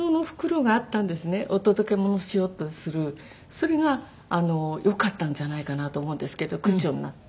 それがよかったんじゃないかなと思うんですけどクッションになって。